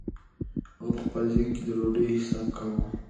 هغه په خپل ذهن کې د ډوډۍ حساب کاوه.